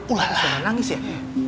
udah nangis ya